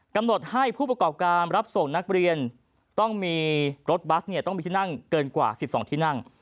กำหนดให้ผู้ประกอบการรับส่งนักเรียนต้องมีรถบัสเนี่ยต้องมีที่นั่งเกินกว่า๑๒ที่นั่ง